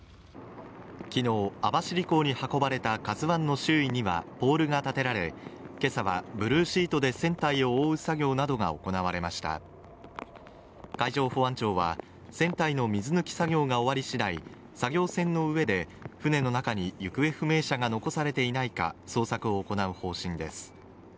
昨日、網走港に運ばれた「ＫＡＺＵ１」の周囲にはポールが立てられ今朝はブルーシートで船体を覆う作業などが行われました海上保安庁は船体の水抜き作業が終わり次第作業船の上で船の中に行方不明者が残されていないか捜索を行う方針です